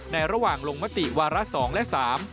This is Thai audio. ในระหว่างลงมัธิวารส์๒และ๓